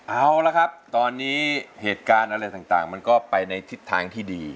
เอาละครับตอนนี้เหตุการณ์อะไรต่างมันก็ไปในทิศทางที่ดี